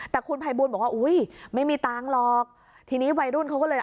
แต่คุณภัยบูลบอกว่าอุ้ยไม่มีตังค์หรอกทีนี้วัยรุ่นเขาก็เลย